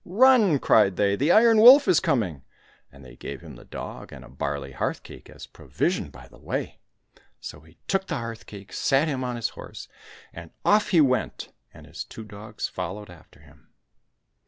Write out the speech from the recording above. " Run !" cried they, '' the Iron Wolf is coming !" And they gave him the dog, and a barley hearth cake as provision by the way. So he took the hearth cake, sat him on his horse, and off he went, and his two dogs followed after him.